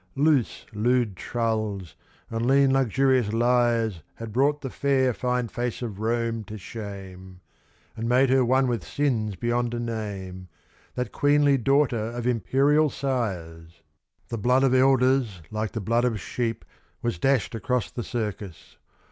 loose, lewd trulls, and lean, luxurious liars Had brought the fair, fine face of Rome to shame, And made her one with sins beyond a name That queenly daughter of imperial sires! The blood of elders like the blood of sheep, Was dashed across the circus.